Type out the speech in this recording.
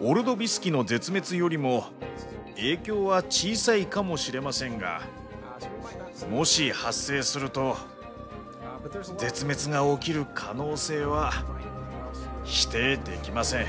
オルドビス紀の絶滅よりも影響は小さいかもしれませんがもし発生すると絶滅が起きる可能性は否定できません。